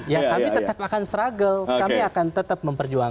ya kami tetap akan menyetujui